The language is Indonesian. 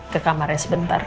ke kamarnya sebentar